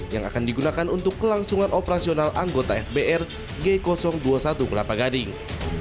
yang akan digunakan untuk kelangsungan operasional anggota fbr g dua puluh satu kelapa gading